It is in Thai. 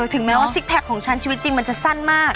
ถึงแม้ว่าซิกแพคของฉันชีวิตจริงมันจะสั้นมาก